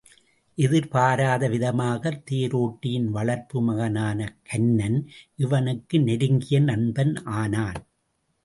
எதிர்பாராத விதமாகத் தேரோட்டியின் வளர்ப்பு மகனான கன்னன் இவனுக்கு நெருங்கிய நண்பன் ஆனான்.